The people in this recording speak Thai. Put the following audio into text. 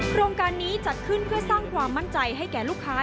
โครงการนี้จัดขึ้นเพื่อสร้างความมั่นใจให้แก่ลูกค้า